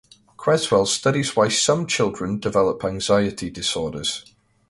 Creswell studies why some children develop anxiety disorders.